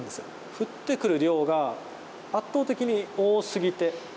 振ってくる量が圧倒的に多すぎて。